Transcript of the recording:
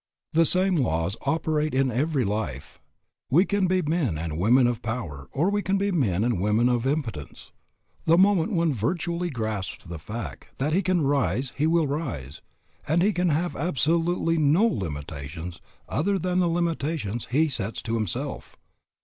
The same laws operate in every life. We can be men and women of power or we can be men and women of impotence. The moment one vitally grasps the fact that he can rise he will rise, and he can have absolutely no limitations other than the limitations he sets to himself.